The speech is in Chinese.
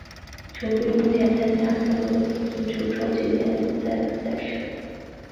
球队目前参加白俄罗斯足球超级联赛的赛事。